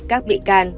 các bị can